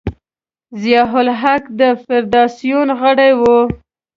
ضیا الحق د فدراسیون غړی و.